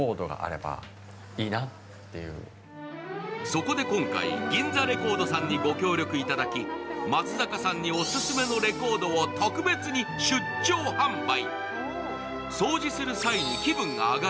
そこで今回、ギンザレコードさんにご協力いただき松坂さんにオススメのレコードを特別に出張販売。